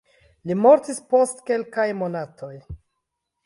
Li mortis post kelkaj monatoj.